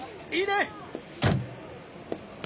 いいね！